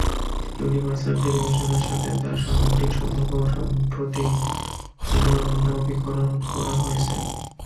Universal টেলিভিশনের সাথে তার সামগ্রিক সম্পর্ক সম্প্রতি পুনর্নবীকরণ করা হয়েছে।